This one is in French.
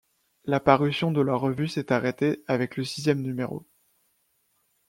La parution de la revue s'est arrêtée avec le sixième numéro.